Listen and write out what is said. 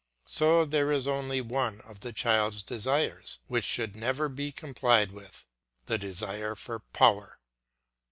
So there is only one of the child's desires which should never be complied with, the desire for power.